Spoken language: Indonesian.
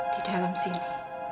di dalam sini